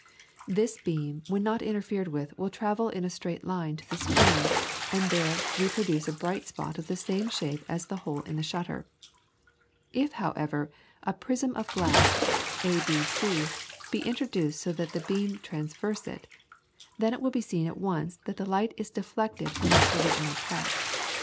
This beam when not interfered with will travel in a straight line to the screen, and there reproduce a bright spot of the same shape as the hole in the shutter. If, however, a prism of glass, A B C, be introduced so that the beam traverse it, then it will be seen at once that the light is deflected from its original track.